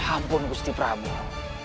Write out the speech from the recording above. hampun gusti prabowo